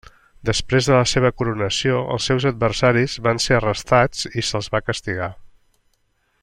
Després de la seva coronació els seus adversaris van ser arrestats i se'ls va castigar.